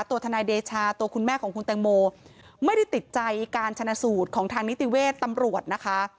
ทนายเดชาตัวคุณแม่ของคุณแตงโมไม่ได้ติดใจการชนะสูตรของทางนิติเวศตำรวจนะคะ